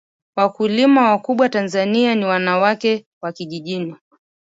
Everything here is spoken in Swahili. WAkulima wakubwa Tanzania ni wanawake wakijijini